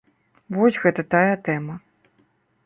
Вось гэта тая тэма.